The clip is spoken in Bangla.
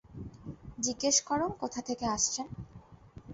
জিজ্ঞেস করো কোথা থেকে আসছেন?